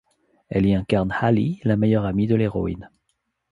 Elle y incarne Hallie, la meilleure amie de l'héroïne.